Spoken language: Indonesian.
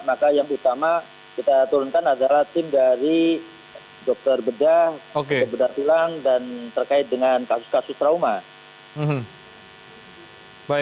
maka yang utama kita turunkan adalah tim dari dokter bedah dokter bedah tilang dan terkait dengan kasus kasus trauma